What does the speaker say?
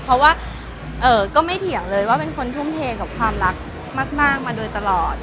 เพราะว่าก็ไม่เถียงเลยว่าเป็นคนทุ่มเทกับความรักมากมาโดยตลอด